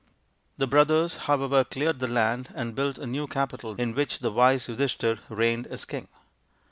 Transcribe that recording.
The brothers, however, cleared the land and built a new capital, in which the wise Yudhish thir reigned as king.